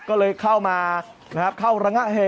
โอ้โหโอ้โหโอ้โหโอ้โหโอ้โห